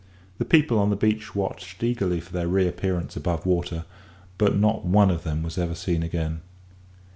The people on the beach watched eagerly for their reappearance above water, but not one of them was ever seen again.